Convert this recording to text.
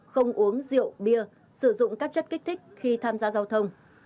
không uống rượu bia sử dụng các chất kích thích khi tham gia giao thông